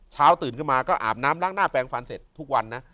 ตื่นขึ้นมาก็อาบน้ำล้างหน้าแปลงฟันเสร็จทุกวันนะ